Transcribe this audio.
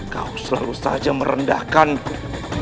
kau selalu saja merendahkan ku